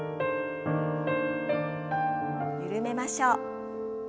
緩めましょう。